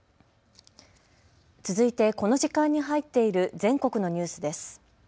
続いてこの時間に入っている全国のニュースです。